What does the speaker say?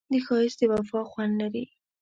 ښایست د وفا خوند لري